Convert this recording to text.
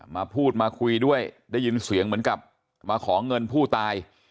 มาพูดมาคุยด้วยได้ยินเสียงเหมือนกับมาขอเงินผู้ตาย